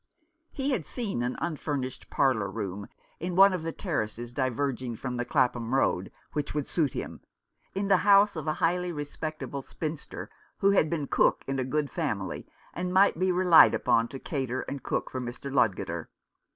He had seen an unfurnished parlour floor in one of the terraces diverging from the Clapham Road which would suit him, in the house of a highly respectable spinster, who had been cook in a good family, and might be relied upon to cater and cook for Mr. Ludgater.